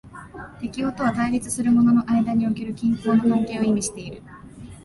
適応とは対立するものの間における均衡の関係を意味している。